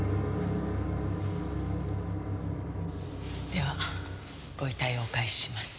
ではご遺体をお返しします。